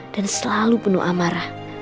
dan selalu penuh amarah